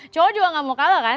cowok juga gak mau kalah kan